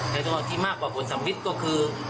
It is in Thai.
แต่ที่มากกว่าผลสำวิตก็คือ